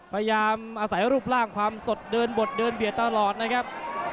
พยายามอาศัยรูปร่างความสดเดินบดเดินเบียดตลอดนะครับ